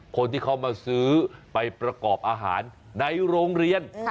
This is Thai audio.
คนที่เขามาซื้อไปประกอบอาหารในโรงเรียน